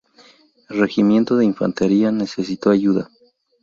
Regimiento de Infantería necesitó ayuda.